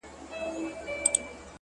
• تا د جنگ لويه فلـسفه ماتــه كــړه؛